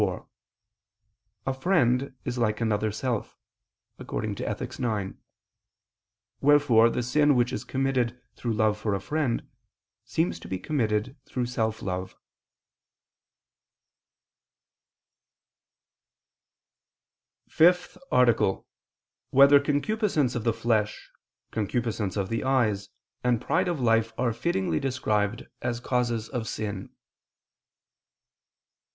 4: A friend is like another self (Ethic. ix): wherefore the sin which is committed through love for a friend, seems to be committed through self love. ________________________ FIFTH ARTICLE [I II, Q. 77, Art. 5] Whether Concupiscence of the Flesh, Concupiscence of the Eyes, and Pride of Life Are Fittingly Described As Causes of Sin?